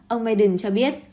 ông biden cho biết